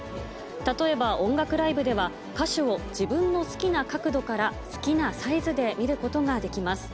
例えば音楽ライブでは、歌手を自分の好きな角度から好きなサイズで見ることができます。